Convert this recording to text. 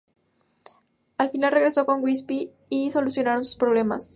Al final regresó con Gypsy y solucionaron sus problemas.